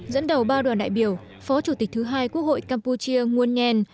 dẫn đầu ba đoàn đại biểu phó chủ tịch thứ hai quốc hội campuchia muôn nhen